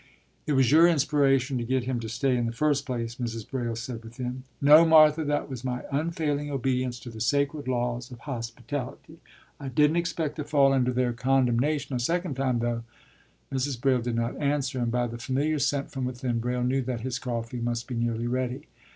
” “It was your inspiration to get him to stay in the first place,” Mrs. Braile said within. “No, Martha; that was my unfailing obedience to the sacred laws of hospitality; I didn't expect to fall under their condemnation a second time, though.” Mrs. Braile did not answer, and by the familiar scent from within, Braile knew that his coffee must be nearly ready.